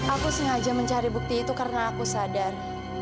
aku sengaja mencari bukti itu karena aku sadar